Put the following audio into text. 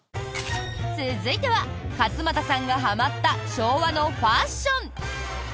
続いては勝俣さんがはまった昭和のファッション。